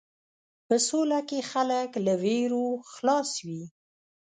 په سوله کې خلک له وېرو خلاص وي.